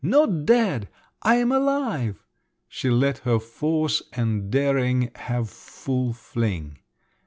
Not dead … I am alive!" She let her force and daring have full fling.